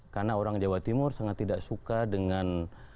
karena orang jawa timur sangat tidak suka dengan